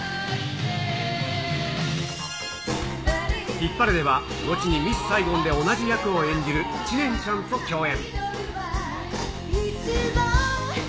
ヒッパレでは後にミス・サイゴンで同じ役を演じる知念ちゃんと共演。